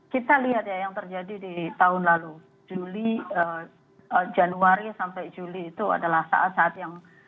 kita lihat ya yang terjadi di tahun lalu juli januari sampai juli itu adalah saat saat yang